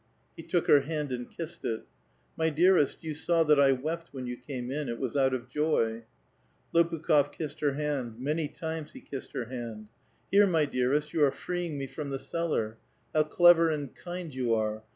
He took her hand and kissed it. " My dearest, you saw that I wept when 3'ou came in ; it was out of joy." Lopukh6f kissed her hand ; many times he kissed her hand. ''Here, my dearest, you are freeing me from the cellar; how clever and kind you are.